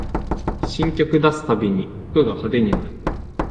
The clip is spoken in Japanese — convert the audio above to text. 新曲出すたびに服が派手になる